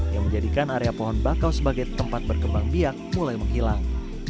yang menjadikan area pohon bakau sebagai tempat berkembang biak mulai menghilang